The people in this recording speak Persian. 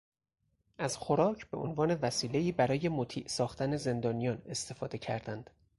از خوراک به عنوان وسیلهای برای مطیع ساختن زندانیان استفاده کردند.